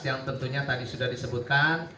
yang tentunya tadi sudah disebutkan